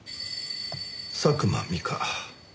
「佐久間美佳」。